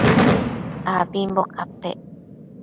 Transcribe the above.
abimbo capec